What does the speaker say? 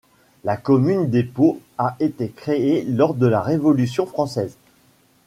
La commune d'Épaux a été créée lors de la Révolution française.